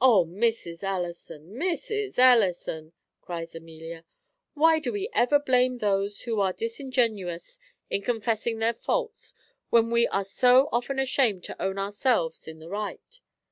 "O, Mrs. Ellison! Mrs. Ellison!" cries Amelia; "why do we ever blame those who are disingenuous in confessing their faults, when we are so often ashamed to own ourselves in the right?